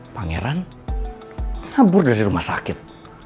pangeran kabur dari rumah sakit